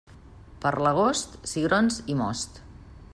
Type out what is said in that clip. Per l'agost, cigrons i most.